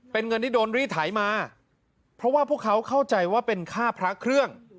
เป็นเงินที่โดนรีดไถมาเพราะว่าพวกเขาเข้าใจว่าเป็นค่าพระเครื่อง